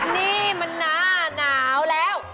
นี่มันหน้าหนาวแล้ว